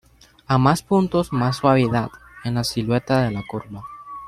A más puntos más suavidad en la silueta de la curva.